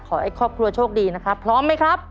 ขอให้ครอบครัวโชคดีนะครับพร้อมไหมครับ